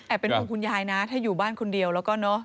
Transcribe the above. แอบเป็นกับคุณยายนะถ้าอยู่บ้านคนเดียวก็เนอะ